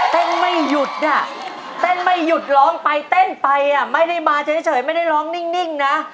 ไม่หยุดอ่ะเต้นไม่หยุดร้องไปเต้นไปอ่ะไม่ได้มาเฉยไม่ได้ร้องนิ่งนะ